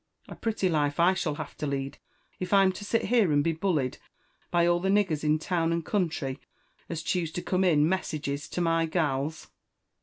A pretty life I shall have to lead, if I'm to sifhere and be bullied by all the niggers in town and country as choose to come in messages to my gals!"